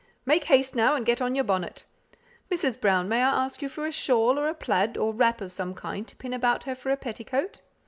Make haste, now, and get on your bonnet. Mrs. Brown, may I ask you for a shawl, or a plaid, or a wrap of some kind to pin about her for a petticoat?"